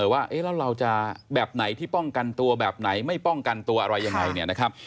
ว่าเราจะแบบไหนที่ป้องกันตัวแบบไหนไม่ป้องกันตัวอะไรยังไง